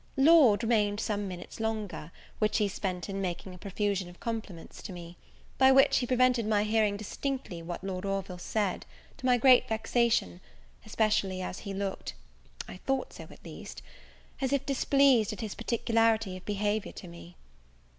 Lord remained some minutes longer, which he spent in making a profusion of compliments to me; by which he prevented my hearing distinctly what Lord Orville said, to my great vexation, especially as he looked I thought so, at least as if displeased at his particularity of behaviour to me.